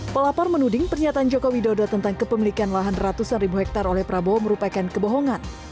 pelapar menuding pernyataan joko widodo tentang kepemilikan lahan ratusan ribu hektare oleh prabowo merupakan kebohongan